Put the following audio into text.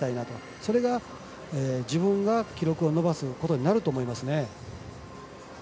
それが自分が記録を伸ばすことになると思いますね。